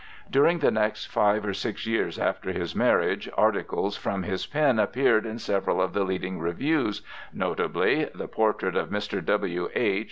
During the next five or six years after his marriage, articles from his pen appeared in several of the leading reviews, notably 'The Portrait of Mr. W. H.'